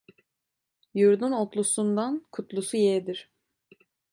Yurdun otlusundan kutlusu yeğdir.